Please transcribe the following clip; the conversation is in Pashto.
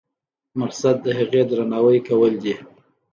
مقصد د هغې درناوی کول دي.